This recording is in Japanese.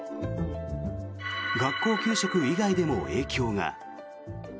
学校給食以外でも影響が。